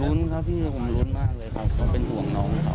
รุ้นครับพี่ผมลุ้นมากเลยครับเขาเป็นห่วงน้องเขา